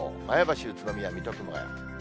前橋、宇都宮、水戸、熊谷。